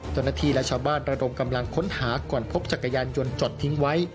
จนนาทีราชบ้านระดมกำลังค้นหาก่อนพบจักรยานยนต์จดทิ้งไว้